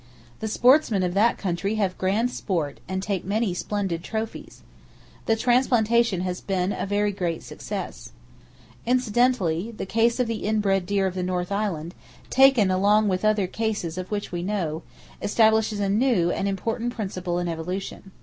The sportsmen of that country have grand sport, and take many splendid trophies. That transplantation has been a very great success. [Page 328] Incidentally, the case of the in bred deer of the North Island, taken along with other cases of which we know, establishes a new and important principle in evolution.